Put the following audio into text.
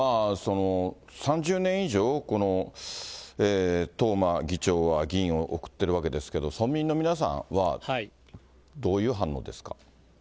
３０年以上、東間議長は議員を送ってるわけですけれども、村民の皆さんは、どういう反応ですか。